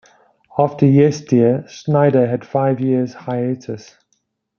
After "Yes, Dear", Snyder had five years-hiatus.